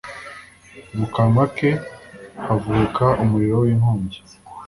mu kanwa ke havubuka umuriro w’inkongi